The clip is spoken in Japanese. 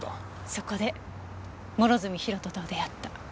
そこで諸角博人と出会った。